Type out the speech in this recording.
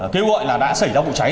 kêu gọi là đã xảy ra vụ cháy